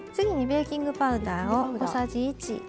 ベーキングパウダー小さじ１。